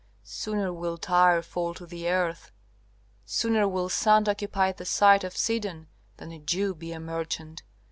Sooner will Tyre fall to the earth, sooner will sand occupy the site of Sidon than a Jew be a merchant.